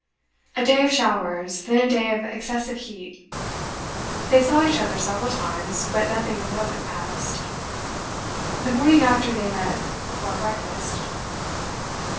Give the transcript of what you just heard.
A day of showers, then a day of excessive heat. They saw each other several times, but nothing of moment passed. The morning after they met before breakfast.